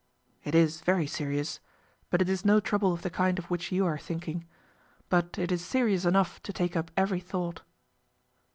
"It is very serious, but it is no trouble of the kind of which you are thinking. But it is serious enough to take up every thought."